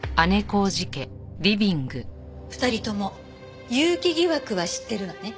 ２人とも結城疑惑は知ってるわね？